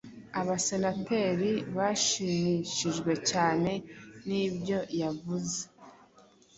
Abasenateri bashimishijwe cyane nibyo yavuze.